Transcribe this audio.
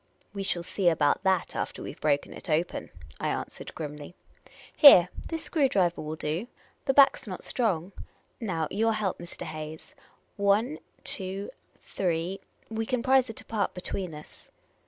" We shall see about that after we 've broken it open," I answered grimly. " Here, this screw driver will do. The back 's not strong. Now, your help, Mr. Hayes — one, two, three ; we can prise it apart between us."